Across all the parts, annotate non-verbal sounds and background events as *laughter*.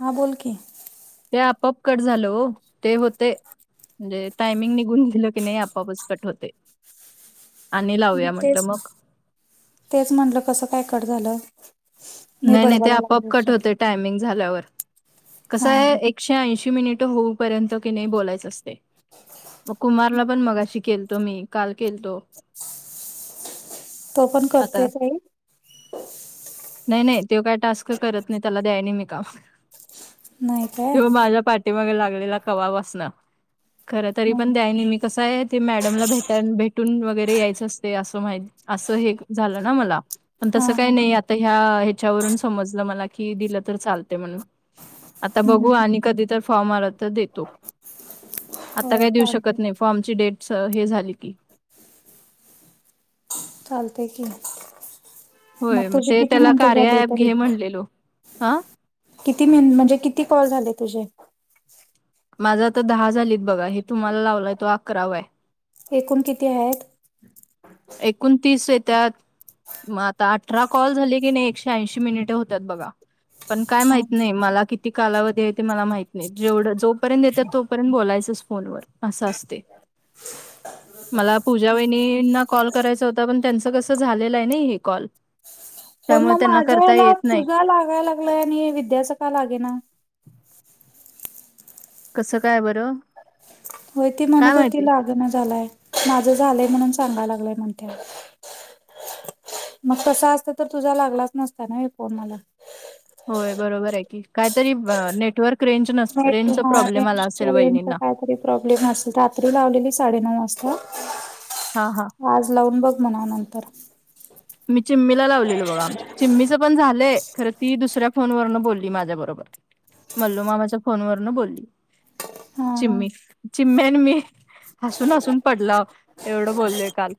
हा बोल की, ते आपप कट झालं, हो ते होते, म्हणजे, टायमिंग निघून गेल की, नाही आपआपस कट होते, आणि हम, लावूया म्हटलं तेच, मग तेच म्हटलं कसं काय कट झालं. मी नाही, नाही ते बडबडायला अपआप, लागले कट होते टायमिंग झाल्यावर, हा कसं आहे, हा एकशे ऐंशी मिनिट होऊ पर्यंत कीनी बोलायच असते, मग कुमारला पण मगशी, केलतो मी काल केलतो, तो पण, आता करतेय ताई, नाही, नाही ते काय टास्क करत नाही, त्याला द्याय नाही मी काम, नाही काय तेव्हा माझ्या पाठीमाग लागलेला, कवापासन खर तरी हा पण द्याय नाही मी, कसं आहे. ते मॅडमला भेट भेटून वगैरे यायचं असते, असं माहि असं हे झालं ना मला, पण हा तसं हा काही नाही, आता ह्या ह्याच्यावरून समजलं मला कि दिलं तर चालते म्हणून, आता हम्म, बघू, हम्म. आणि कधीतर फॉर्मआला तर देतो, आता होय काय देऊ चालते शकत नाही, फ्रॉमची डेट हे झाली की, चालते की, होय मग तुझी ते, किती त्याला मिनिटं कार्य झाली ॲप तरी घे म्हणलेलो हं, किती म म्हणजे, किती कॉल झाले तुझे? माझं आता, दहा झालीत बघा, हे तुम्हाला लावलाय तो. अकरा व आहे, एकूण किती आहेत? एकोण, तीस येत्या. मग आता, अठरा कॉल झाले की नाही, एकशे ऐंशी मिनिटे होत्यात बघा, पण काय हा माहित नाही, मला किती कालावधी आहे ते, मला माहित नाही, जेवढं जोपर्यंत येतात, तोपर्यंत बोलायचं, कॉल वर अस असत्य, मला पूजा वाहिनी ना कॉल करायच होता, पण त्यांचं कसं झालेलं आहे, नाही हे कॉल, होण त्यामुळे मग, त्यांना माझा करता हेला येत नाही तुझा लागायला, आणि विद्याच का लागे ना, कसं, काय बरं, होय, ती काय म्हणत होती, माहिती लागण झालाय माझं झालंय म्हणून, सांगाय लागलंय म्हणत्या. मग तस असत तर तुझा लागलाच नसता ना, हे फोन मला, होय बरोबर आहे की, कायतरी नेटवर्क रेंज नस रेंजचा, प्रॉब्लेम आला असेल वहिणींना, काय तरी, प्रॉब्लेम असल तर रात्री लावलेली साडे नऊ वाजता, हा, हा, आज लावून बघ, म्हणा नंतर, मी चिम्मीला लावलेलो बघा, आम चिम्मीचं पण झालंय, खरं ती दुसऱ्या फोन वरन, बोलली माझ्या बरोबर, मल्लो मामाच्या फोन वरन बोलली हा हा चिम्मी चिम्मेन मी हसून हसून पडला एवढं बोललोय काल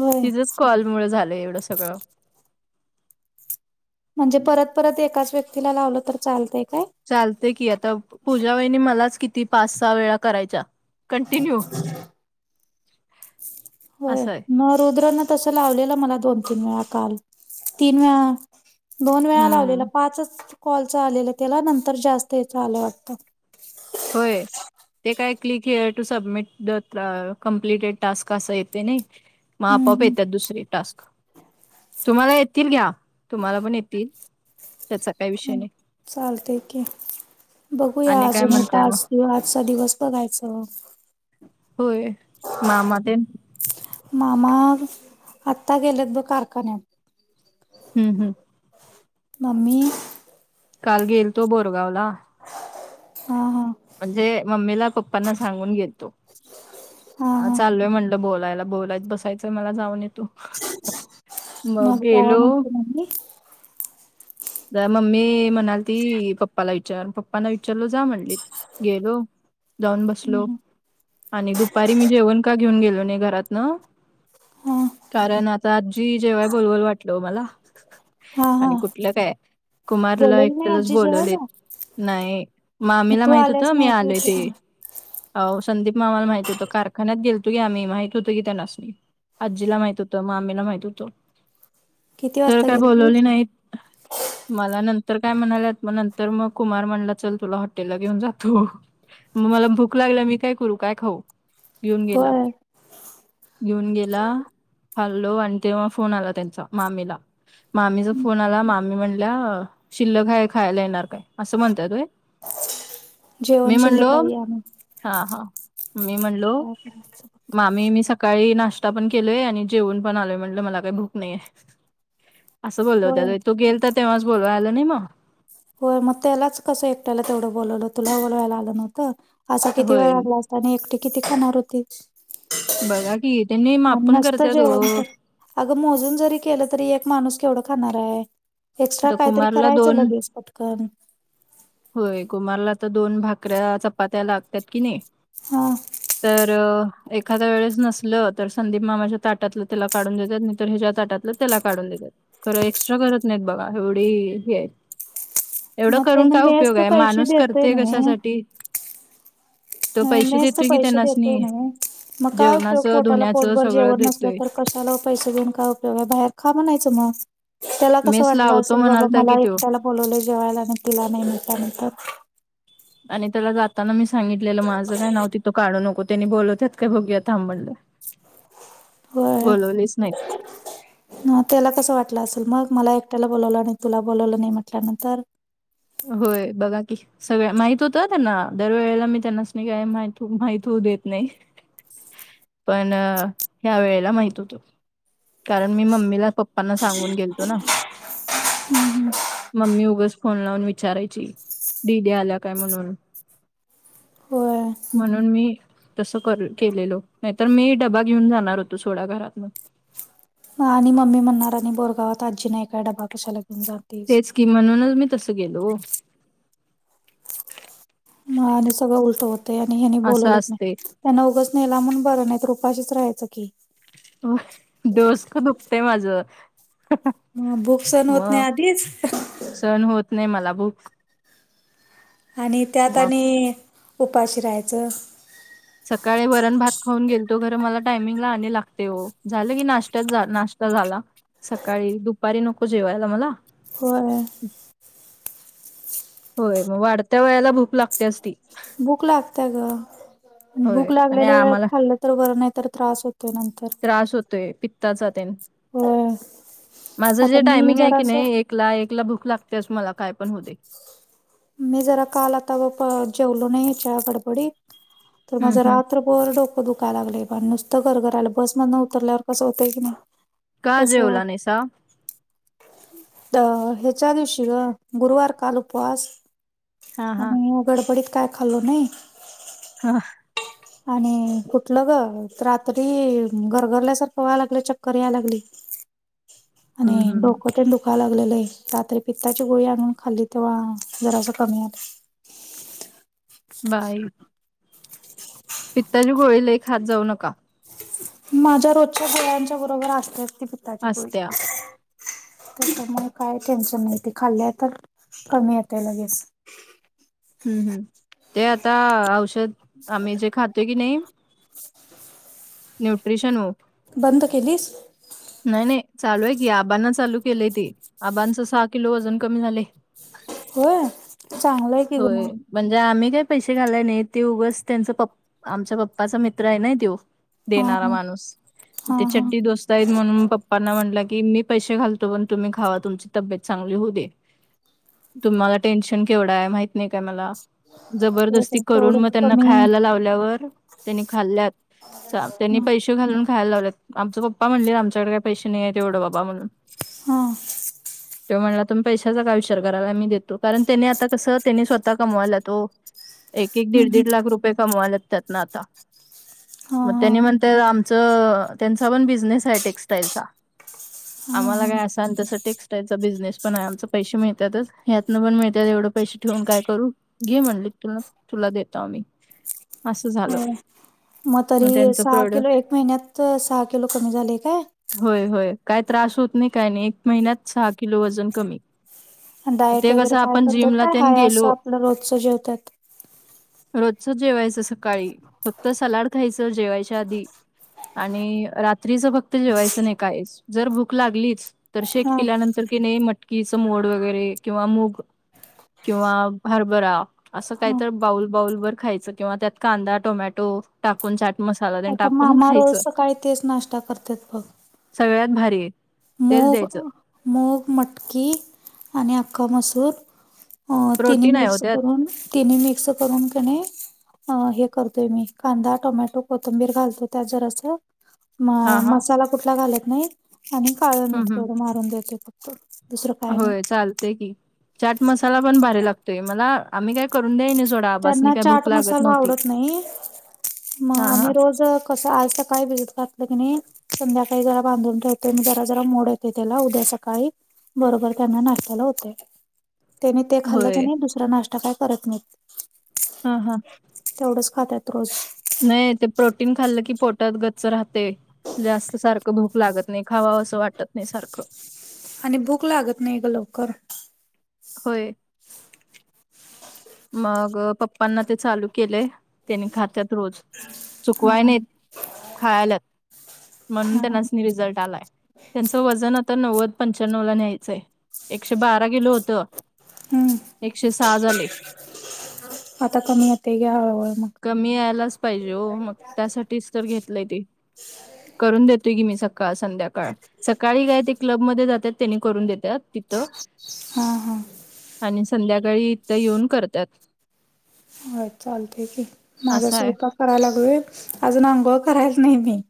होय तिझंच कॉल मुळ झालं एवढं सगळं म्हणजे परत परत एकाच व्यक्तीला लावलं तर चालतय काय? चालते की आता पूजा वहिनी मलाच किती पाच सहा वेळा करायच्या.. कंटिन्यू होय असं आहे मग रुद्रन तसं लावलेलं मला दोन तीन वेळा काल तीन वेळा दोन वेळा लावलेला हम्म पाचच कॉलच आलेलं त्याला नंतर जास्त याच आलं वाटतं. होय. ते काय click here to submit the completed task असा येते नाही. मग आपआप हम्म येत दुसरी टास्क. तुम्हाला येतील घ्या तुम्हाला पण येतील त्याचा काही विषय नाही. चालतय की बघूया आणि काय अजून म्हणताय मग एकज दि आजचा दिवस बघायचा. होय मामा तेन मामा आत्ता गेलेत बघ कारखान्यात हम्म हम् मम्मी काल गेलतो बोरगाव ला हां हा म्हणजे मम्मीला पप्पांना सांगून गेलतो. हा चालूय म्हणलं बोलायला बोलायत बसायचंय मला जाऊन येतू. मग जावा गेलो. म्हणते मम्मी मम्मी म्हणाल ती पप्पाला विचार पप्पाना विचारलो जा म्हणली गेलो. जाऊन बसलो हम्म, आणि दुपारी मी जेवण का घेऊन गेलो नाही घरातन. हा कारण आता आजी जेव्हाय बोलबोल वाटलं मला हा हा आणि कुठलं काय. मला वाटत बोलवली नाही एकट्यालच आजी बोलवले जेवायला नाही मग मामीला तू माहित आल्यास होतं मी माहिती आलोय होती ते.. की नाही हो संदीप मामाला माहित होतं कारखान्यात गेलतो की आम्ही माहित होतो की त्यांनासनी.. आजीला माहित होत मामीला माहित होतो किती तर वाजता काय बोलवले गेलतीस नाही. मला नंतर काय म्हणाल्यात मग नंतर मग कुमार मनला चल तुला हॉटेलला घेऊन जातो.... मग मला भूक लागली मी काय करू, काय खाऊ, घेऊन गेला. होय हम्म, घेऊन गेला खाल्लो आणि तेव्हा फोन आला त्यांचा मामीला मामीचा फोन आला मा मग म्हणल्या शिल्लक हाय खायला येणार काय असं म्हणताय व्हय. मी जेवण म्हणलो शिल्लक आहे या म्हणून हा हा मी म्हणलो काय करायचं मामी मी सकाळी नाश्ता पण केलोय आणि जेवण पण आलोय म्हटलं मला काही भूक नाहीय. असं बोलल होय होत तू गेल तर तेव्हाच बोलवाय आला नाही मग होय मग त्यालाच कसं एकट्याला तेवढं बोलवलं तुला बोलवायला आलं नव्हतं असा किती वेळा होय ला्ला आणि एकटी किती खाणार होती? बघा की त्यांनी मापूण नसतं करत्यात जेवण हो. तर अगं मोजून जरी केलं तरी एक माणूस केवढा खाणार आहे. एक्स्ट्रा तर कायतरी कुमारला करायचं दोन लगेच पटकन. होय कुमारला तर दोन भाकऱ्या चपात्या लागतात की नाही. हा तर एखाद्या वेळेस नसल तर संदीप मामाच्या ताटातलं त्याला काढून देतात नाही तर ह्याच्या ताटात त्याला काढून देतात. खरं एक्स्ट्रा करत नाहीत बघा एवढी हे आहे. एवढं मग करून त्याने काय उपयोग मेसच आहे? पैसे माणूस देतोय करते कशासाठी? तो पैसे नाहीच तर देतोय की पैसे देतोय त्यांनासनी नाही मग काय जेवणाचं पोटाला धुण्याचं पोटभर सगळं जेवण नसल देतोय तर.. कशाला पैसे देऊन काय उपयोग आहे बाहेर खा म्हणायचं मग. त्याला कसं मेस वाटलं लावतो असेल बाबा म्हणालता की मला तो एकट्याला बोलवलं जेवायला आणि तिला नाही म्हटलं आणि त्याला जाताना मी सांगितलेलं माझं काय नाव तिथं काढू नको. त्यांनी बोलवत्यात काय बघुया थांब म्हणलं होय बोलवलीच नाही त्याला कस वाटलं असेल मग मला एकट्याला बोलावलं आणि तुला बोलवलं नाही म्हटल्यानंतर होय बघा की सगळ माहित होत त्यांना दरवेळेला मी त्यांनाच नाही काय माह माहती देत नाही पण ह्या वेळेला माहित होतो कारण मी मम्मीला पप्पांना सांगून गेलतो ना मम्मी उगच फोन लाव म विचारायची दीदी आल्या काय म्हणून? होय म्हणून मी तसं कर केलेलो नाही तर मी डबा घेऊन जाणार होतो सोडा घरात आणि मम्मी म्हणणार आणि बोरगावात आजी नाही काय डबा कशालागेन जा तेच की म्हणूनच मी तस गेलो हो म आणि सगळं उलट होते आणि हने असं बोलवलेच असते. नाही त्यांना उगच नेला म्हणून बरं नाही उपाशीच राहायचं की हो डोसक दुखतंय माझ ह भूक सहन होत नाही आधीच सहण होत नाही मला भुक आणि त्यात मग आणि उपाशी राहायचं सकाळी वरण भात खाऊन गेलतो खर मला टायमिंग ला आ लागते हो झालं की नाशत्यात झाला सकाळी दुपारी नको जेवायला मला होय होय मग वाढत्या वयाला भूक लागते अस त भूक लागत ग होय भूक आणि लागलेल्या वेळात आम्हाला खाल्लं तर वर नाही तर त्रास होतोय नंतर त्रास होतोय पिस्ताचा तेन होय माझं आता जे मी टायमिंग आहे कनी जरासं एकला एक ला भूक लागते मला काय पण हो दे मी जरा काल आता जेवलो नाही याच्या गडबडीत तर माझ हम्म हम्म रात्र वर डोकं दुखाय लागलंय पण नुसतं घर घर आलं बस मधन उतरल्यावर कस होतंय की नाही का तसं जेवला निसा अ ह्याच्या दिवशी ग गुरुवार काल उपवास हा हा आम्ही गडबडीत काय खाल्लो नाही हा आणि कुठलं ग रात्री घरघरल्यासारखं व्हां लागलं चक्कर याय लागली *unintelligible* हम्म आणि डोक हम्म ते दुखालात रात्री पित्ताची गोळी आणून खाल्ली तेव्हा जरास कमी आलं बाय पित्ताची गोळीला एक हात जाऊ नका माझ्या रोजच्या डोळ्यांच्या बरोबर असते असती पितताची पोळी असत्या त्या त्यामुळे काय टेन्शन नाही खाल्ल्या तर कमी येतय लगेच ते आता औषध आम्ही जे खातोय की नाही न्यूट्रिशन हो बंद केलीस नाही नाही चालू आहे की आबांना चालू केलेय ते आबांच सहा किलो अजून कमी झाले हो चांगलं आहे की ग होय मग म्हणजे आम्ही काही पैसे घालाय नाही त हा देणारा हा माणूस ते हा हा चट्ट दोस्त आहेत म्हणून पप्पांना म्हटलं की मी पैसे घालतो पण तुम्ही खावा तुमची तब्येत चांगली होऊ दे तुम्हाला टेन्शन केवढा आहे माहित नाही काय मला जबरदस्ती करून मग तेवढंच त्यांना कमी खायला लावल्यावर त्यांनी खाल्ल्यात त्यांनी पैसे घालून खायला लावलेत आमचं पप्पा म्हणले आमच्याकडे काही पैसे नाहीय आहेत तेवढं बाबा म्हणून हा, त्यो म्हणला तुम्ही पैसाचा का विचार करायला मी देतो. कारण त्याने आता कसं त्यानी स्वतः कमवायला. हो *inaudible* एक, एक, दीड, हम्म हम्म. दीड, लाख रुपये कमवायले त्यात न आता, हा मग हा. त्यांनी म्हणत त्यांचा पण बिझनेस आहे टेक्स्टाइलचा. हा आम्हाला काय हा. असा आणि तसं टेक्स्टाईलचा बिझनेस पण आहे आमचे, पैसे मिळतातच या्यातन पण मिळतात एवढं पैसे ठेऊून काय करू, घे म्हणले तुला तुला देतो मी असं झालं. होय. मग तरी त्यांचं सहा किलो प्रोडक्ट एक महिन्यात, सहा किलो कमी झाले काय? होय, होय, काय त्रास होत नाही काय नाही एक महिन्यात सहा किलो वजन कमी. डाएट ते वगैरे कसं काय आपण करतात जिमला काय? हा तेन गेलो असं आपलं रोजच जेवतात. रोजच जेवायचं सकाळी, फक्त सलाड खायचं जेवायच्या आधी. आणि रात्रीच फक्त जेवायचं नाही काहीच, जर भूक लागली तर शेक हा पिल्यानंतर कि नाही मटकीचं मोड वगैरे किंवा मूग किंवा हरभरा असं काय हा. तर बाऊल बाउल वर खायचं किंवा त्यात कांदा, टोमॅटो टाकून चाट मसाला तेन आता टाकून मामा रोज खायचं. सकाळी तेच नाश्ता करतात बघ. सगळ्यात भारी आहे. तेच मूग, द्यायचं. मूग, मटकी, आणि अख्खा मसूर अ तिन प्रोटीन आहे हो मिक्स त्यात. करून, तिन मिक्स करून किनाय अ हे करतोय मी, कांदा, टोमॅटो, कोथंबीर, घालतो त्या जरासं म हां हां. मसाला कुठला घालत नाही आणि काळं हं, मीठ हं. तेवढं मारून द्यायचं फक्त. दुसरं काय नाही होय चालते की, चाट मसाला पण भारी लागतोय मला आम्ही काय करून द्या न त्यांना चाट मसाला आवडत नाही मग हां, हां. आणि रोज कसं, आज सकाळी भिजत घातलं की नाही संध्याकाळी जरा बांधून ठेवते मी, जरा जरा मोड येते त्याला उद्या सकाळी. बरोबर त्यांना नाश्त्याला होते. त्यांनी ते खाल्लं की होय. नाही दुसरा नाश्ता काय करत नाहीत. हा, हा, तेवढंच खातात रोज. नाही ते प्रोटीन खाल्लं की पोटात गच्च राहते. जास्त सारखं भूक लागत नाही खावा असं वाटत नाही सारखं. आणि भूक लागत नाही ग लवकर. होय. मग पप्पांना ते चालू केलेय, त्यानी खात्यात रोज हा चुकवाय नाही. खायलात म्हणून हा त्यांनाच रिझल्ट आलाय. त्यांचं वजन आता नव्वद पंच्याण्व ला न्यायचंय एकशे बारा किलो होतं. हम्म एकशे सहा झाले. आता कमी येत घ्या ह मग *unintelligible* कमी यायलाच पाहिजे हो मग त्यासाठीच तर घेतलंय ते. करून देतोय की मी सकाळ, संध्याकाळ सकाळी काय ते क्लबमध्येध जातात त्यांनी करून देतात तिथं. हा, हा, आणि संध्याकाळी इथ येऊन करतात. हो चालते की, माझा असं आहे स्वयंपाक करायला लागलय अजून अंगोळ करायला नाही मी.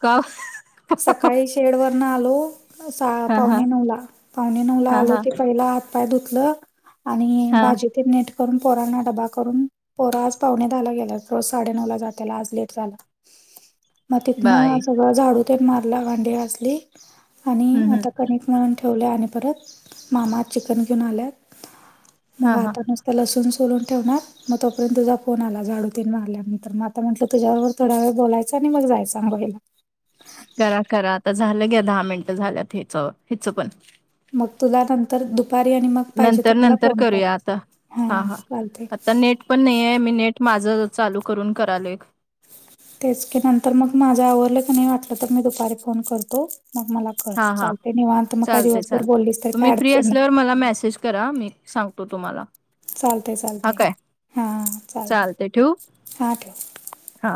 काफ *unintelligible* सकाळी शेड वरन आलो, सा हा हा पावणे नऊ ला पावणे नऊ ला हा आलो हा ते पहिला हातपाय धुतलं आणि हा भाजी ती नीट करून पोरना डबा करून पोरा आज पावणेदहा गेला रोज साडेनऊ ला जाताला आज लेट झाला. *inaudible* मग बाय तिथनं सगळं झाडू ते मारला, भांडे घासले, आणि हम्म हम्म आता क म्हणून ठेवल्या आणि परत मामा चिकन घेऊन आल्यात मग हा हा आता नस तर लसूण सोलून ठेवणार मग तोपर्यंत तझा फोन आला जाडू ततीन मारल्या मी तर मात म्हटलं तुझ्या बब थोड्या वेळ बोलायचं आणि मग जाय सांगवायला करा करा आता झालं घ्या दहा मिनटं झाल्यात हच हच पण मग तुला नंतर दुपारी आणि मग पाहिजे नंतर तर मला नंतर फोन कर करूया आता हा चालते आता नेट पण नाहीे मी नेट माझं चालू करून करालो एक तेच की नंतर मग माझ्या आवडलं क नाही वाटलं तर मी दुपारी फोन करतो मग मला कर. हा हा चालतंय निवांत मग काय चालते दिवसभर चाल बोललीस तर काय तुम्ही फ्री अडचण नाही. असल्यावर मला मेसेज करा मी सांगतो तुम्हाला चालतय चालत हा काय हा चालत हा ठेव हा